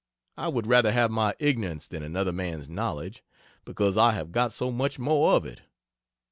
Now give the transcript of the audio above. I would rather have my ignorance than another man's knowledge, because I have got so much more of it.